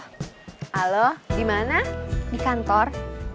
ha lo halo gimana di kantor di kantor